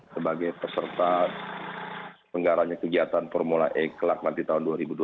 sebagai peserta penggaranya kegiatan formula e ke lakmat di tahun dua ribu dua puluh dua